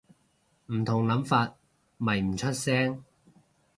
唔同諗法咪唔出聲